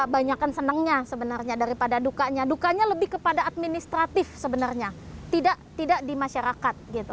banyakan senangnya sebenarnya daripada dukanya dukanya lebih kepada administratif sebenarnya tidak di masyarakat gitu